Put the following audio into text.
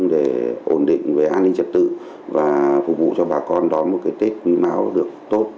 để ổn định về an ninh trật tự và phục vụ cho bà con đón một cái tết quý máu được tốt